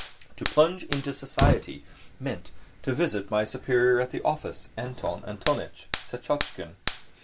To plunge into society meant to visit my superior at the office, Anton Antonitch Syetotchkin.